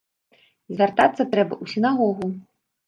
Звяртацца трэба ў сінагогу.